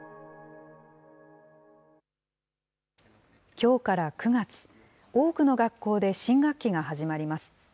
きょうから９月、多くの学校で新学期が始まります。